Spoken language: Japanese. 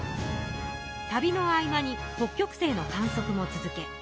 旅の合間に北極星の観測も続け